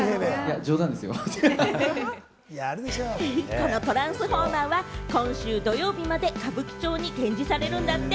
このトランスフォーマーは今週土曜日まで歌舞伎町に展示されるんだって。